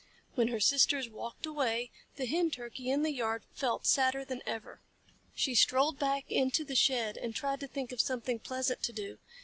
When her sisters walked away, the Hen Turkey in the yard felt sadder than ever. She strolled back into the shed and tried to think of something pleasant to do.